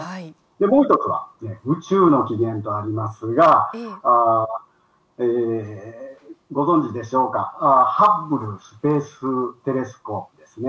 もう１つは、宇宙の起源とありますが、ご存じでしょうか、ハッブルスペーステレスコープですね。